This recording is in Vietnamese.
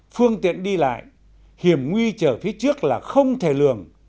phương tiện đi lại hiểm nguy trở phía trước là không thể lường